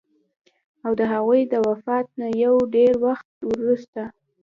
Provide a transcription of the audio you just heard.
او د هغوي د وفات نه يو ډېر وخت وروستو